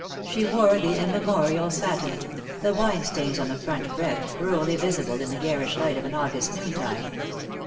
She wore the immemorial satin; the wine stains on the front breadth cruelly visible in the garish light of an August noontide.